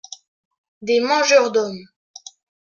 Des mangeurs d’hommes.